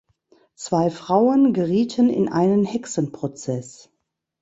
Zwei Frauen gerieten in einen Hexenprozess.